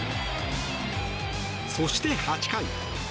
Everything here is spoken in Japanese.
そして８回。